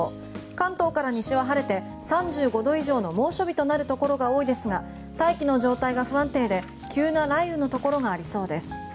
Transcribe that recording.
関東から西は晴れて３５度以上の猛暑日となるところが多いですが大気の状態が不安定で急な雷雨のところがありそうです。